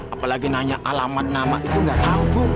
apalagi nanya alamat nama itu gak tau bu